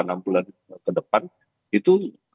enam bulan ke depan itu